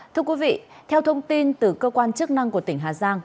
thưa quý vị theo thông tin từ cơ quan chức năng của tỉnh hà giang